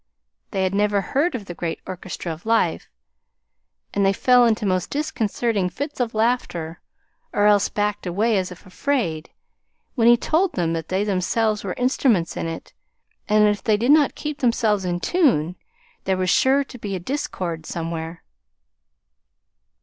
They had never heard of the great Orchestra of Life, and they fell into most disconcerting fits of laughter, or else backed away as if afraid, when he told them that they themselves were instruments in it, and that if they did not keep themselves in tune, there was sure to be a discord somewhere.